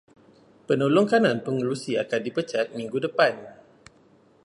Penolong kanan pengerusi akan dipecat minggu depan.